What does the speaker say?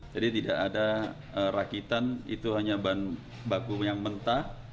jadi tidak ada rakitan itu hanya bahan baku yang mentah